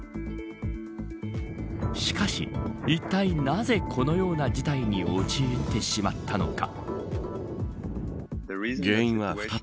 しかし、いったいなぜこのような事態に陥ってしまったのか。